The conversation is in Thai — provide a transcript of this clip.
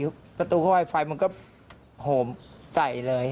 ก็พอตะทีประตูเข้าไฟฟ้ามันก็ห่มใสเลย